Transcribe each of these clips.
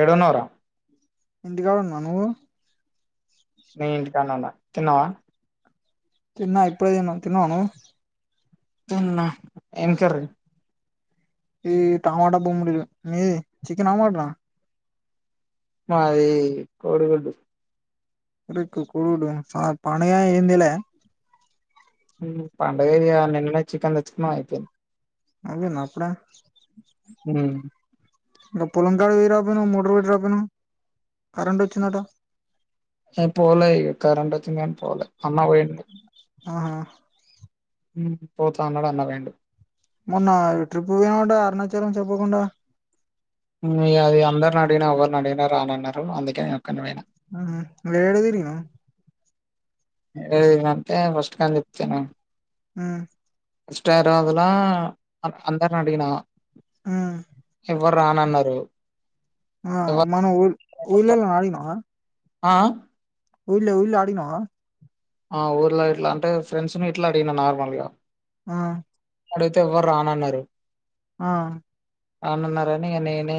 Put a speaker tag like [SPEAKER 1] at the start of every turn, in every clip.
[SPEAKER 1] ఎండఉన్నావ్ రా
[SPEAKER 2] ఇంటికాడ ఉన్న నువ్వు
[SPEAKER 1] ని ఇంటికాడనే ఉన్నా తిన్నావా
[SPEAKER 2] తిన్న ఇప్పుడే తిన్న తిన్నావా నువ్వు
[SPEAKER 1] తిన్న ఎమ్ కర్రీ
[SPEAKER 2] ఈ టమాట బోమ్ డీల్ మీది చికెనా మటనా
[SPEAKER 1] మాది కోడుగూడ్డు
[SPEAKER 2] ఇకు కుడుడు రా ఆ పండగయే ఎం తేలే
[SPEAKER 1] పండగఎదిగ నిన్ననె చికెన్ తెచ్చుకున్న ఐపోయింది
[SPEAKER 2] ఐపోయిందా అప్పుడే
[SPEAKER 1] ఉమ్
[SPEAKER 2] నువ్ పొలం కాడ్ కి పోయిరాపెయినవ్ మోటర్ పెట్టి రాపెయినవ్ కరంట్ వచ్చినదట
[SPEAKER 1] హే పోలే ఇగ్ కరంట్ వచ్చింద్ గన్ పోలే అన్న బోయిండ్
[SPEAKER 2] ఆహా
[SPEAKER 1] ఉమ్ పోతా అన్నడు అన్న పెయిండు
[SPEAKER 2] మొన్న ట్రిప్ క్ పోనవట అరుణాచలం చెప్పకుండా
[SPEAKER 1] ఉమ్ ఇగ అది అందర్ ని అడిగిన ఎవర్ నీ అడిగిన రానన్నరు అందుకే నేన్ ఒక్కని పెయిన
[SPEAKER 2] ఉహ్ నువ్ యెడ దిరిగినవ్
[SPEAKER 1] ఏడ దిర్ గిన అంటే ఫస్ట్ కానుంచి చెప్త్ ఇను
[SPEAKER 2] ఉమ్
[SPEAKER 1] ఇష్ట రోజ్ లా అంద్ అందర్ నీ అడిగిన
[SPEAKER 2] ఉమ్
[SPEAKER 1] ఎవర్ రానన్నరు
[SPEAKER 2] ఆ మన ఉళ్ ఉఊళ్ళో అడినవా
[SPEAKER 1] ఆ ఆ
[SPEAKER 2] ఉళ్ళే ఊళ్ళే అడిగినవ
[SPEAKER 1] ఆ ఊర్లో ఇట్లా అంటే ఫ్రెండ్స్ ను ఇట్లా అడిగిన నార్మల్ గా
[SPEAKER 2] ఆ
[SPEAKER 1] అడుగితే ఎవర్ రానన్నరు
[SPEAKER 2] ఆ
[SPEAKER 1] రానన్నరని నేనే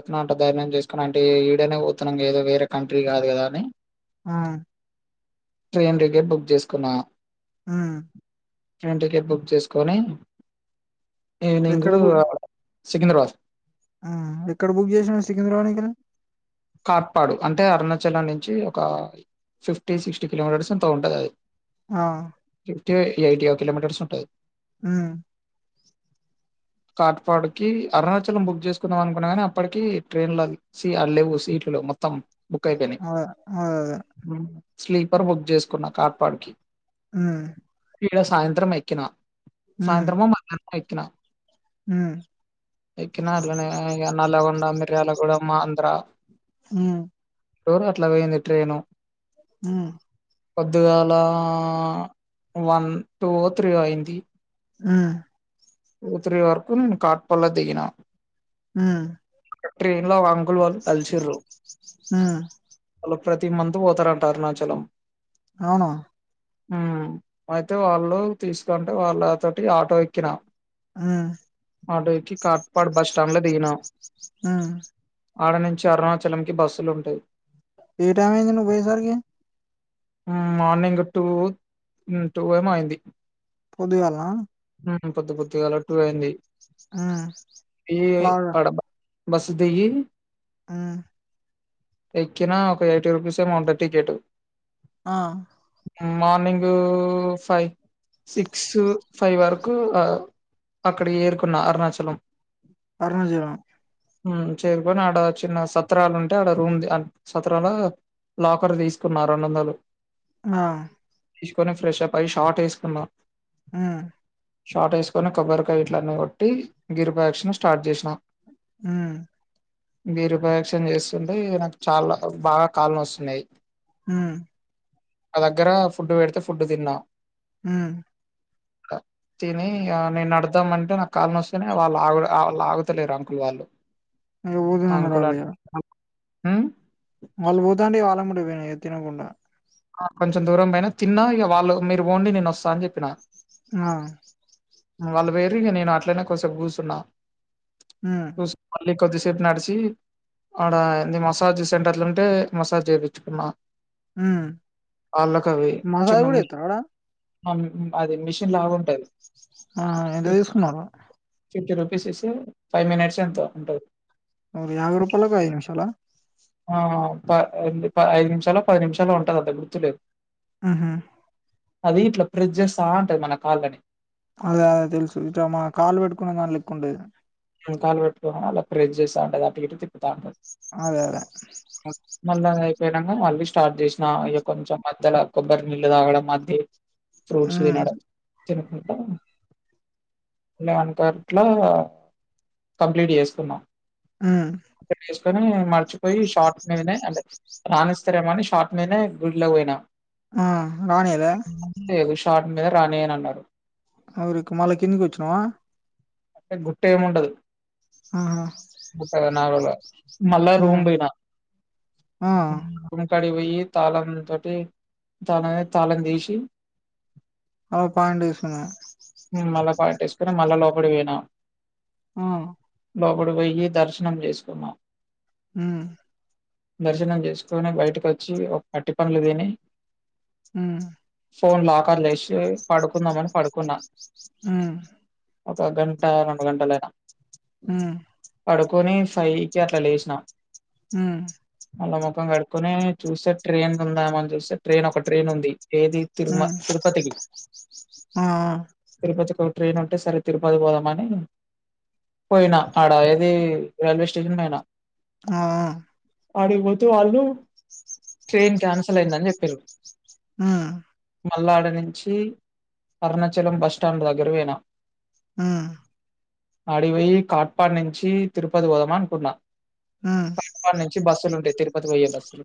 [SPEAKER 1] ఎట్ నో అట ధైర్యం చేసుకొని అంటే ఈడేనే పోతనం ఏదో వేరే కంట్రీ గాదు గదా అని
[SPEAKER 2] ఆ
[SPEAKER 1] ట్రేన్ టికెట్ బుక్ జెష్ కున్నా
[SPEAKER 2] ఉమ్
[SPEAKER 1] ట్రేన్ టికెట్ బుక్ చేస్ కొని ఈవ్ నింగ్ ఉ సికింద్రాబాద్
[SPEAKER 2] అ ఎక్కడ్ బుక్ జెస్ నవ్ సికింద్రబానీకా
[SPEAKER 1] కాట్ పాడు అంటే అరుణాచలం నుంచి ఒక ఫిఫ్టీ శిక్టీ కిలోమీటర్స్ ఎంతో ఉంటదది
[SPEAKER 2] ఆ
[SPEAKER 1] ఫిఫ్ టియో ఎయిటియో కిలోమీటర్స్ ఉంటది
[SPEAKER 2] ఉ
[SPEAKER 1] కాట్ పాడ్ కి అరుణాచలం బుక్ చేసుకుందాం అనుకున్నా కానీ అప్పటికి ట్రేన్ లా చి ఆలేవుస్ సీట్లు లెవ్ మొత్తం బుక్ అయిపెనయి
[SPEAKER 2] ఆ ఆ
[SPEAKER 1] ఉమ్ స్లీపర్ బుక్ జెస్ కున్న కాట్ పాడుకి
[SPEAKER 2] ఉమ్
[SPEAKER 1] యిడ సాయంత్రం ఎక్కినా
[SPEAKER 2] ఉమ్
[SPEAKER 1] సాయంత్రమో మధ్యానమో ఎక్కిన
[SPEAKER 2] ఉమ్
[SPEAKER 1] ఎక్కిన అట్లనే ఇగ నల్లగొండ మిర్యాలగూడెమ్ ఆంధ్ర
[SPEAKER 2] ఉమ్
[SPEAKER 1] ఓరో అట్లా వేయింది ట్రెను
[SPEAKER 2] ఉమ్
[SPEAKER 1] పొద్దుగాల ఆ వన్ టూ త్రీ అయింది
[SPEAKER 2] ఉ
[SPEAKER 1] టూ త్రి వరకు నేను కాట్పల్ల దిగినా
[SPEAKER 2] ఉ
[SPEAKER 1] ట్రేన్ లమా అంకుల్ వాళ్ళు కల్ శిరు
[SPEAKER 2] ఉమ్
[SPEAKER 1] హలో ప్రతి మంత్ పోతారంట అరుణాచలం
[SPEAKER 2] ఔనా
[SPEAKER 1] ఉ అయితే వాళ్ళు తీసుకుంటే వాళ్ళు అ తోటి ఆటో ఎక్కిన
[SPEAKER 2] ఉమ్
[SPEAKER 1] ఆటో ఎక్కి కార్పొట్ బస్ స్టాండ్ లో దిగిన
[SPEAKER 2] ఉమ్
[SPEAKER 1] ఆడ నుంచి అరుణాచలంకి బస్సులు ఉంటాయి
[SPEAKER 2] ఏ టైమయింది నువ్ పోయేసరికి
[SPEAKER 1] మార్నింగ్ టూ టూ ఎం అయింది.
[SPEAKER 2] పొద్దుగల
[SPEAKER 1] ఉ పొద్దు పొద్దుగాల టు అయింది
[SPEAKER 2] ఉమ్
[SPEAKER 1] ఈ
[SPEAKER 2] లాగా
[SPEAKER 1] ఆడ బస్ దిగి
[SPEAKER 2] ఉమ్
[SPEAKER 1] ఎక్కిన ఒక ఎయిటీ రూపీస్ ఏమో ఉంటది టికెట్
[SPEAKER 2] ఆ
[SPEAKER 1] మార్నింగ్ ఫైవ్ సిక్స్ కు ఫైవ్ వరకు అక్కడికి ఏరుకున్న అరుణాచలం
[SPEAKER 2] అరుణాచలం
[SPEAKER 1] చేరుకొని ఆడ చిన్న సత్రాలు ఉంటే ఆడ రూమ్ సత్రాల లాకర్ తీసుకున్న రెండు వందల్
[SPEAKER 2] ఆ
[SPEAKER 1] తీసుకొని ఫ్రెష్ అప్ అయ్ షార్ట్ వేసుకున్నా
[SPEAKER 2] ఉమ్
[SPEAKER 1] షార్ట్ వేసుకొని కొబ్బరికా ఇట్లన్నీ కొట్టి గిరిప్రధక్షణ స్టార్ట్ చేసినా
[SPEAKER 2] ఉమ్
[SPEAKER 1] గిరిప్రదక్షిణ చేస్తుంటే నాకు చాలా బాగా కళ్ళు నోస్తున్నాయి.
[SPEAKER 2] ఉమ్
[SPEAKER 1] నా దగ్గర ఫుడ్ పెడితే ఫుడ్ తిన్
[SPEAKER 2] ఉ
[SPEAKER 1] తిని నేను నడుద్దాం అంటే నాకు కాళ్ళను వస్తేనే వాళ్ళు ఆగు వాళ్ళు ఆగుతలేరు. అంకులు వాళ్ళు చలో
[SPEAKER 2] అ బోజ ఉన్నారులయ
[SPEAKER 1] ఉమ్
[SPEAKER 2] వాళ్ పోతాంటే వాళ్ళమ్మిట పోయిన తిన్నకుండా
[SPEAKER 1] కొంచెం దూరం పోయిన తిన్నా ఇక వాళ్ళు మీరు ఓండి నేను వస్తా అని చెప్పినా.
[SPEAKER 2] ఆ
[SPEAKER 1] వాళ్ళు పోయిరి ఇక నేను అట్లనే కోస్సేపు కూస్సున్నా
[SPEAKER 2] ఉమ్
[SPEAKER 1] కొద్దిసేపు నడిసి అడ ఎ మసాజ్ సెంటర్లు ఉంటే మసాజ్ చేపిచ్చుకున్నా
[SPEAKER 2] ఉమ్
[SPEAKER 1] అళ్ల కవే
[SPEAKER 2] మసాజ్ కూడా
[SPEAKER 1] చిన్నమి
[SPEAKER 2] చేస్తారా ఆడ
[SPEAKER 1] అది మిషన్ లాగుంటది
[SPEAKER 2] ఆ ఎంత తీసుకున్నారు.
[SPEAKER 1] ఫిఫ్టీ రూపీస్ ఇస్తే ఫైవ్ మినిట్స్ ఎంతో ఉంటది.
[SPEAKER 2] యాభై రూపాలకు ఐదు నిమిషాల
[SPEAKER 1] ఆ ప ప ఐదు నిమిషాలు పది నిమిషాలు ఉంటది అంత గుర్తులేదు.
[SPEAKER 2] ఉహు
[SPEAKER 1] అది ఇట్లా ఫ్రిడ్జెస్తా ఉంటది మన కాళ్ళని.
[SPEAKER 2] అదే అదే తెలుసు ఇట మాన కాలు పెట్టుకునే దని లెక్క ఉంటది.
[SPEAKER 1] ఇంకాలు పెట్టుకొని అలా ఫ్రెష్ చేస్తా ఉంటది అటు ఇటు తిప్.
[SPEAKER 2] అదే అదే
[SPEAKER 1] మళ్ళా అదీ అయిపోయినాక మళ్ళీ స్టార్ట్ చేసిన ఇగ కొంచెం. మధ్యల కొబ్బరి నీళ్ళు తాగడం. మధ్యే ఫ్రూట్స్
[SPEAKER 2] ఉమ్
[SPEAKER 1] తినడం. తినకుంటా మేమంతా అట్లా కంప్లీట్ చేసుకున్నాం.
[SPEAKER 2] ఉమ్
[SPEAKER 1] కాని మర్చిపోయి షార్ట్ మీదనే అంటే రాణిస్తారేమోఅని షార్ట్ మీదనే గుడిలోకి పోయినా.
[SPEAKER 2] ఆహ్ రానియద.
[SPEAKER 1] లేదు షార్ట్ మీద రానియనన్నారు.
[SPEAKER 2] అరుక్కు మళ కిందికి వచ్చినవా.
[SPEAKER 1] గుట్టేముండదు
[SPEAKER 2] ఆహా
[SPEAKER 1] గుట్ట నార్మల్గా. మల్ల రూమ్
[SPEAKER 2] ఉమ్
[SPEAKER 1] పోయినా.
[SPEAKER 2] ఆ
[SPEAKER 1] అక్కడికి పోయి తాళంతోటి తాళమెది తాళం తీసి.
[SPEAKER 2] ఒక పాయింట్ తీసుకున్న.
[SPEAKER 1] మళ్ళ ప్యాంటేసుకున్నా మళ్ళా లోపడికి పోయినా.
[SPEAKER 2] ఆహ్.
[SPEAKER 1] లోపడికి పోయ్యి దర్శనం చేసుకున్నా.
[SPEAKER 2] ఉమ్.
[SPEAKER 1] దర్శనం చేసుకొని బయటకు వచ్చి ఒక అట్టిపనులు తిని.
[SPEAKER 2] ఉహు.
[SPEAKER 1] ఫోన్ లాకర్లేసి పడుకుందాంమని పడుకున్నా.
[SPEAKER 2] ఉమ్.
[SPEAKER 1] ఒక గంట రెండు గంటలయినా.
[SPEAKER 2] ఉమ్.
[SPEAKER 1] కొని ఫైవ్కి అట్లా లేసినా.
[SPEAKER 2] ఉమ్.
[SPEAKER 1] మళ్ళా ముఖం కడుకొని చూస్తే ట్రైన్ ఉందామని చూస్తే ట్రైన్ ఒక ట్రైన్ ఉంది. ఏది తిరుమ
[SPEAKER 2] ఉమ్
[SPEAKER 1] తిరుపతికి
[SPEAKER 2] ఆ
[SPEAKER 1] తిరుపతికి ఒక. ట్రైన్ ఉంటే సరే తిరుపతి పోదామని. పోయినా అడ ఏది రైల్వే స్టేషన్ పోయినా.
[SPEAKER 2] ఆహ్.
[SPEAKER 1] ఆడికిపోతే వాళ్ళు ట్రైన్ క్యాన్సల్ అయిందని చెప్పిండ్రు.
[SPEAKER 2] ఆహ్.
[SPEAKER 1] మల్లాడ నుంచి అరుణాచలం బస్ స్టాండ్ దగ్గరకి పోయినా.
[SPEAKER 2] ఉమ్
[SPEAKER 1] ఆడికిపోయి కాట్పాడ్ నుంచి తిరుపతి పోదామనుకున్నా.
[SPEAKER 2] ఉమ్
[SPEAKER 1] కట్పడి నుంచి బస్సులు ఉంటాయి తిరుపతి పోయ్యే బస్సులు.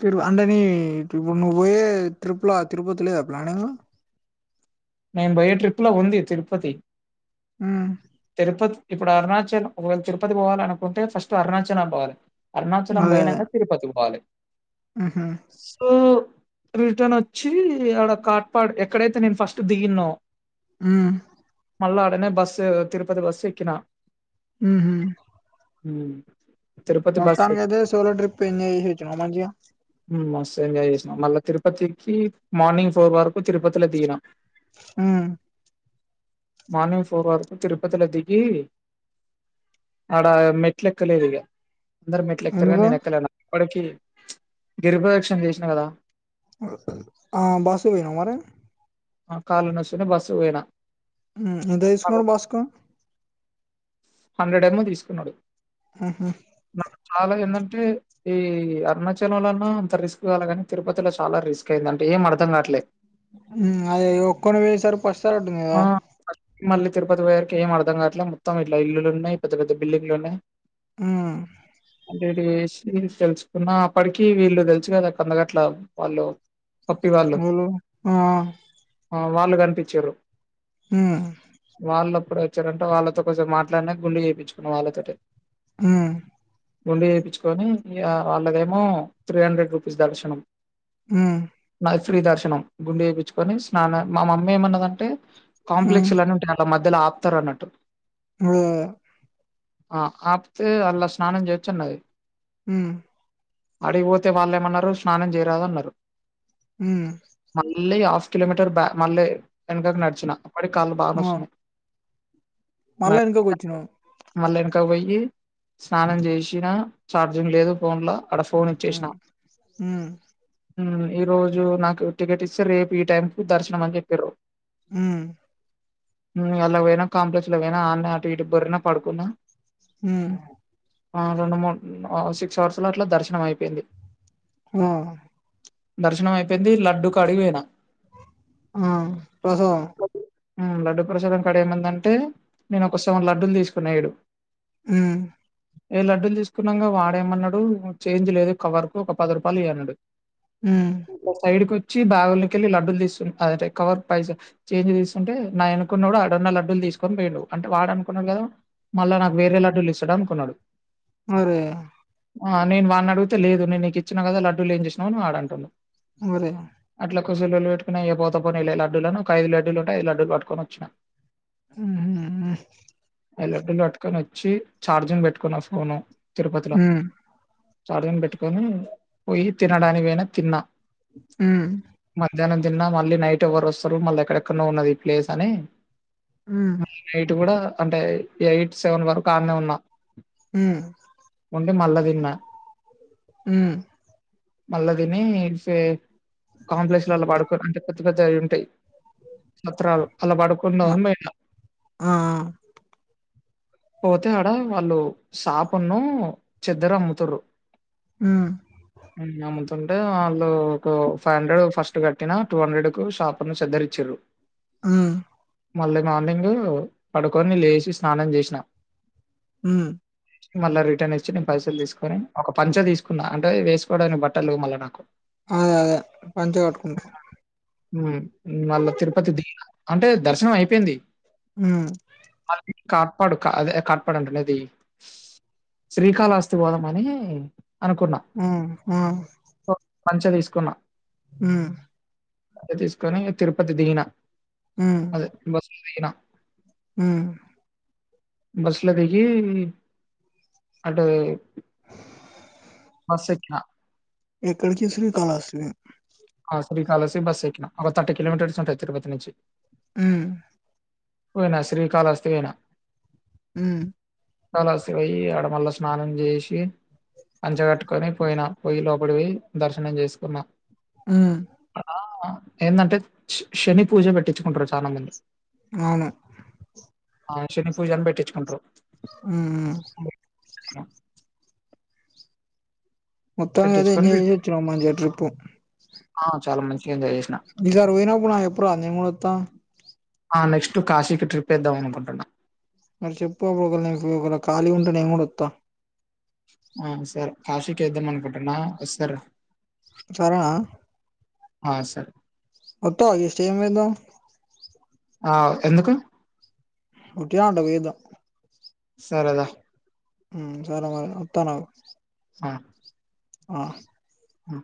[SPEAKER 2] తిరు అంటనీ ఇప్పుడు నువ్వు పోయే ట్రిపులా తిరుపతిలేదా ప్లానింగ్.
[SPEAKER 1] నేను పోయే ట్రిప్లో ఉంది తిరుపతి.
[SPEAKER 2] ఉమ్.
[SPEAKER 1] తిరుపతి ఇప్పుడు అరుణాచల్ ఒకవేళ తిరుపతి పోవాలి అనుకుంటే ఫస్ట్ అరుణాచలం పోవాలి. అరుణాచలం
[SPEAKER 2] అదే అదే
[SPEAKER 1] పోయినంకా తిరుపతికి పోవాలి
[SPEAKER 2] ఉహు
[SPEAKER 1] సో. రిటర్న్ వచ్చి ఆడ కాట్పాడు ఎక్కడైతే నేను ఫస్ట్ దిగిన్నో.
[SPEAKER 2] ఉమ్.
[SPEAKER 1] మళ్లా ఆడనే బస్సు తిరుపతి బస్సు ఎక్కినా.
[SPEAKER 2] ఉహు.
[SPEAKER 1] ఉమ్. తిరుపతి బస్ ఎక్
[SPEAKER 2] మొత్తానికైతే సోలో ట్రిప్ ఎంజాయ్ చేసి వచ్చినవా మంచిగా
[SPEAKER 1] మస్తు ఎంజాయ్ చేసినాం మళ్ళా తిరు. తిరుపతికి మార్నింగ్ ఫోర్ వరకు తిరుపతిల దిగినాం.
[SPEAKER 2] ఉమ్.
[SPEAKER 1] మార్నింగ్ ఫోర్ వరకు తిరుపతిలో దిగి ఆడ మెట్లేక్కలేదిగా అందరు మెట్లు ఎక్కిరుగాని
[SPEAKER 2] ఎందుకు
[SPEAKER 1] నేను ఎక్కలేన వాడికి గిరిప్రదక్షణం చేసినా కదా
[SPEAKER 2] ఆహ్ బాసర పోయినవా మరి.
[SPEAKER 1] ఆహ్ కాలు నొస్తున్నాయి బస్సుకు పోయినా.
[SPEAKER 2] ఉమ్మ్ ఎంత
[SPEAKER 1] నాకు
[SPEAKER 2] తీసుకున్నాడు బస్సుకు.
[SPEAKER 1] హండ్రెడ్ ఎమో తీసుకున్నాడు నాకు చాలా ఏందంటే ఈ అరుణాచలం అంత రిస్క్ కాల కాని తిరుపతిలో చాలా రిస్క్ అయిందండి. ఏం అర్థం కాట్లే
[SPEAKER 2] ఉమ్ అదే ఒక్కొని వేసారు పస్సార ఉంటుంది
[SPEAKER 1] ఆ
[SPEAKER 2] కదా
[SPEAKER 1] మళ్ళీ తిరుపతి పోయ్యరికి ఏం అర్ధం కాట్లే. మొత్తం ఇట్ల ఇల్లున్నాయి. పెద్ద పెద్ద బిల్డింగ్లు ఉన్నాయి.
[SPEAKER 2] ఉమ్
[SPEAKER 1] డి వేసి తెలుసుకున్న అప్పటికి వీళ్ళు తెలుసు కదా కొంద గట్ల వాళ్ళు పప్పి వాళ్ళు
[SPEAKER 2] ఓలు హా
[SPEAKER 1] ఆ వాళ్ళు కనిపించిరు వాళ్ళప్పు వాళ్ళతో కొంచెం మాట్లాడిన గుండు చేపించుకున్నా వాళ్ళతో
[SPEAKER 2] ఉమ్,
[SPEAKER 1] గుండు చేపిచుకొని వాళ్ళదేమో త్రీ హండ్రెడ్ రూపీస్ దర్శనం
[SPEAKER 2] ఉమ్
[SPEAKER 1] ఫ్రీ దర్శనం గుండె చేపించుకొని స్నాన మా మమ్మీ ఏమన్నదంటే
[SPEAKER 2] ఉమ్,
[SPEAKER 1] కాంప్లెక్స్ లన్ని ఉంటే అలా మధ్యలో ఆపుతారు అన్నట్టు
[SPEAKER 2] హు
[SPEAKER 1] ఆ ఆపితే అలా స్నానం చేయొచ్చు అన్నది.
[SPEAKER 2] ఉ
[SPEAKER 1] ఆడిగిపోతే వాళ్ళేమన్నారు స్నానం చేయరాదు అన్నారు
[SPEAKER 2] ఉమ్,
[SPEAKER 1] మళ్ళీ కిలోమీటర్ బ మళ్ళీ వెనకకి నడిచిన అప్పటికి కాళ్ళు బాగా
[SPEAKER 2] ఆ.
[SPEAKER 1] నస్తున్నాయి మ
[SPEAKER 2] మళ్ళా వెనకకి వచ్చినావు
[SPEAKER 1] మళ్ళా వెనక పోయి స్నానం చేసినా చార్జింగ్ లేదు ఫోన్ లో అడ ఫోన్ ఇచ్చేసినా
[SPEAKER 2] ఉమ్, ఉమ్,
[SPEAKER 1] ఉమ్ ఈరోజు నా టికెట్ ఇస్తే రేపు ఈ టైం కు దర్శనం అని చెప్పిరు.
[SPEAKER 2] ఉమ్
[SPEAKER 1] అందులో పోయిన కాంప్లెక్స్ లోపోయినా అన్న అటు ఇటు బరిన పడుకున్నా
[SPEAKER 2] హు
[SPEAKER 1] ఆ రెండు మూడు సిక్స్ అవర్స్ లో అట్ల దర్శనం అయిపోయింది.
[SPEAKER 2] ఆ
[SPEAKER 1] దర్శనం అయిపోయింది లడ్డు కాడికిపోయిన
[SPEAKER 2] హ ప్రసాదం
[SPEAKER 1] ఉమ్ లడ్డు ప్రసాదం కాడ ఏమయింది అంటే నేను ఒక సెవెన్ లడ్డులు తీసుకున్నా ఏడు
[SPEAKER 2] ఉమ్
[SPEAKER 1] ఏ లడ్డూలు తీసుకున్నాక వాడేమన్నాడు చేంజ్ లేదు. కవర్ కు ఒక పది రూపాయలు ఇఅన్నాడు
[SPEAKER 2] ఉమ్,
[SPEAKER 1] ఇ సైడ్కి వచ్చి బాగుకెళ్ళి లడ్డూలు తీసు అదే కవర్ పైసా చేంజ్ తీసుకుంటే నాఎనక్కున్నోడు అడున్న లడ్డులు తీసుకొని పోయిండు అంటే వాడు అనుకున్నాడు కదా మళ్ళా నాకు వేరే లడ్డులు ఇస్తాడు అనుకున్నాడు
[SPEAKER 2] అరే
[SPEAKER 1] ఆ నేను వాడిని అడిగితే లేదు నే నీకి ఇచ్చినా కదా లడ్డులు ఏం చేసినవ్ అని వాడు అంటాను.
[SPEAKER 2] మరి
[SPEAKER 1] లొల్లి పెట్టుకుని అయ పోతాపోని లడ్డులను ఐదు లడ్లుంటయి ఐదు లడ్లు పట్టుకొని వచ్చిన
[SPEAKER 2] ఉహు ఉ
[SPEAKER 1] లడ్డులు పట్టుకొని వచ్చి చార్జింగ్ పెట్టుకున్న ఫోను తిరుపతిలో
[SPEAKER 2] ఉమ్,
[SPEAKER 1] ఛార్జింగ్ పెట్టుకొని పోయి తినడానికి పోయినా తిన్నా
[SPEAKER 2] ఉమ్,
[SPEAKER 1] మధ్యాహ్నం తిన్న మళ్ళీ నైట్ ఎవరు వస్తారు మళ్ళీ ఎక్కడెక్కడ ఉన్నది ఈ ప్లేస్ అని
[SPEAKER 2] ఉమ్,
[SPEAKER 1] నట్ కూడా అంటే ఎయిట్ సెవెన్ వరకు ఆనే ఉన్నా
[SPEAKER 2] ఉ
[SPEAKER 1] విన్న
[SPEAKER 2] ఉ
[SPEAKER 1] మళ్ళా దీని కాంప్లెక్స్ లల్లో పడుకు అంటే కొత్త కొత్త అవి ఉంటాయి. పత్రాలు అలా పడుకుందాం
[SPEAKER 2] ఆ
[SPEAKER 1] అని పోయిన
[SPEAKER 2] ఆ,
[SPEAKER 1] పోతే ఆడ ఆళ్ళు సాపున్ను చెద్దరమ్ముతురు
[SPEAKER 2] ఉమ్,
[SPEAKER 1] ఉ అమ్ముతుంటే వాళ్ళు ఒక ఫైవ్ హండ్రెడ్ ఫస్ట్ కట్ ట్టినా టూ హండ్రెడ్ కు షాప్ ను సెద్ధరిచ్చిరు
[SPEAKER 2] ఆ
[SPEAKER 1] మళ్ళీ మార్నింగ్ పడుకొని లేచి స్నానం చేసిన
[SPEAKER 2] ఉ
[SPEAKER 1] మళ్ళా రిటర్న్ ఇచ్చి నేను పైసలు తీసుకొని ఒక పంచ తీసుకున్నా అంటే వేసుకోవడానికి బట్టలు లేవ్ మళ్ళా నాకు
[SPEAKER 2] అదే అదే పంచె కట్టుకుంటారు.
[SPEAKER 1] ఊ మళ్ళా తిరుపతి దిగిన అంటే దర్శనం అయిపోయింది
[SPEAKER 2] ఉ
[SPEAKER 1] మళ్ళీ కాట్పాడు అదే కాట్పాడు అంటును ఇది శ్రీకాళహస్తి బోధం అని
[SPEAKER 2] ఉ ఆ
[SPEAKER 1] సో, పంచ తీసుకున్నా
[SPEAKER 2] ఉ
[SPEAKER 1] అదే తీసుకొని తిరుపతి దీగిన అదే బస్ దీగినా
[SPEAKER 2] ఉ
[SPEAKER 1] బస్ ల దిగి అటు బస్సేక్కిన
[SPEAKER 2] ఎక్కడికి శ్రీకాళశ్రీ
[SPEAKER 1] ఆ శ్రీకాళశ్రీ బస్ ఎక్కినా అ థర్టీ కిలోమీటర్స్ ఉంటది తిరుపతి నుంచి
[SPEAKER 2] ఉ
[SPEAKER 1] పోయినా శ్రీకాళస్తి పొయినా
[SPEAKER 2] ఉ
[SPEAKER 1] కాలాస్తీ ఒయి ఆడ మల్ల స్నానం చేసి పంచ గట్టుకొని పోయిన పొయ్యి లోపడి పోయి దర్శనం చేసుకున్నా
[SPEAKER 2] హ్మ్
[SPEAKER 1] ఏందంటే శ శని పూజ పెట్టించుకుంటారు చాలా మంది
[SPEAKER 2] అవును
[SPEAKER 1] ఆ శని పూజాని పెట్టిచ్చుకుంట్రు
[SPEAKER 2] ఊ ఊ
[SPEAKER 1] ఏమో
[SPEAKER 2] మొత్తానికయితే
[SPEAKER 1] పెట్టించుకొని
[SPEAKER 2] ఎంజాయ్
[SPEAKER 1] రి
[SPEAKER 2] చేసిచ్చినవ్ మంచిగా ట్రిప్పు
[SPEAKER 1] ఆ చాలా మంచి
[SPEAKER 2] ఈసారి పోయినప్పుడు నాకు జెప్పరాదు నేన్ గూడ ఒత్త
[SPEAKER 1] ఆ నెక్స్ట్ కాశీకి ట్రిప్ వేద్దాం అనుకుంటున్నా
[SPEAKER 2] మరి చెప్పు అప్పుడు ఒక వేళ నేను ఒక వేళ ఖాళీ ఉంటే నేన్ గుడా ఒత్త
[SPEAKER 1] ఆ సరె కాషికి ఎద్దాం అనుకుంటున్నా ఓసర
[SPEAKER 2] చరేనా
[SPEAKER 1] ఆ సరె
[SPEAKER 2] వత్తవా ఈ స్టేజ్ మీద
[SPEAKER 1] ఆ ఎందుకు
[SPEAKER 2] ఉట్టిగా అట్లా పోయిద్దాం
[SPEAKER 1] సరే దా
[SPEAKER 2] ఉ సరె మరి ఒత్తన్న ఆగు
[SPEAKER 1] ఆ
[SPEAKER 2] ఆ
[SPEAKER 1] ఉ